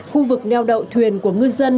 khu vực neo đậu thuyền của ngư dân